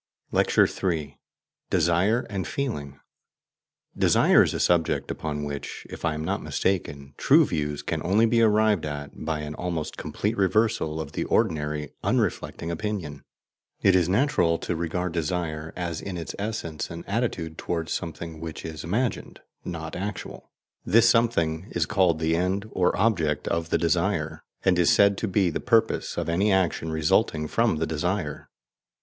LECTURE III. DESIRE AND FEELING Desire is a subject upon which, if I am not mistaken, true views can only be arrived at by an almost complete reversal of the ordinary unreflecting opinion. It is natural to regard desire as in its essence an attitude towards something which is imagined, not actual; this something is called the END or OBJECT of the desire, and is said to be the PURPOSE of any action resulting from the desire.